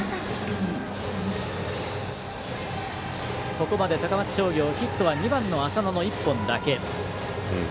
ここまで高松商業ヒットは２番、浅野の１本だけ。